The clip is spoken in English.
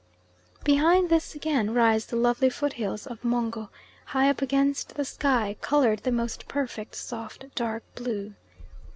Behind this again rise the lovely foot hills of Mungo, high up against the sky, coloured the most perfect soft dark blue.